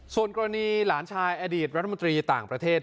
ส่วนกรณีหลานชายอดีตรัฐมนตรีต่างประเทศ